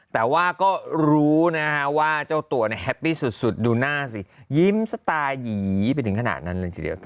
แต่ว่าก็รู้นะฮะว่าเจ้าตัวแฮปปี้สุดดูหน้าสิยิ้มสไตล์หยีไปถึงขนาดนั้นเลยทีเดียว